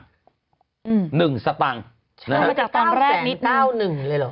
เข้ามาจากตอนแรกนิดนึง๙แสน๙หนึ่งเลยเหรอ